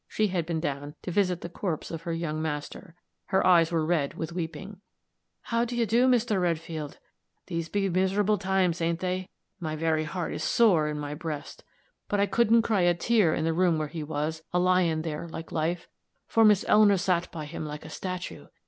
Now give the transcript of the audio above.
She had been down to visit the corpse of her young master; her eyes were red with weeping. "How do you do, Mr. Redfield? These be miserable times, ain't they? My very heart is sore in my breast; but I couldn't cry a tear in the room where he was, a lying there like life, for Miss Eleanor sot by him like a statue.